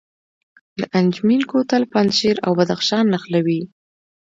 د انجمین کوتل پنجشیر او بدخشان نښلوي